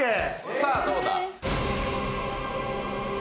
さあどうだ？